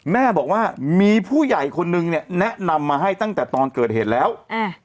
แม่บอกว่ามีผู้ใหญ่คนนึงเนี่ยแนะนำมาให้ตั้งแต่ตอนเกิดเหตุแล้วอ่า